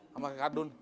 sama si kardut